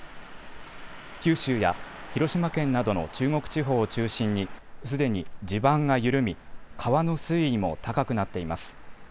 九州や広島県などの中国地方を中心にすでに地盤が緩み川の水位も高くなっています。